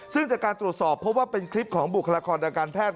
ซึ่งจากการตรวจสอบเพราะว่าเป็นคลิปของบุคลากรทางการแพทย์